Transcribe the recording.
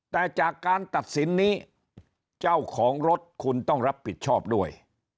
แต่จากการตัดสินนี้เจ้าของรถคุณต้องรับผิดชอบด้วย